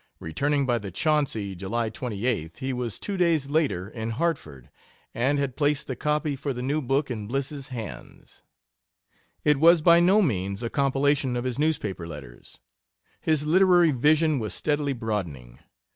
Returning by the Chauncey, July 28th, he was two days later in Hartford, and had placid the copy for the new book in Bliss's hands. It was by no means a compilation of his newspaper letters. His literary vision was steadily broadening.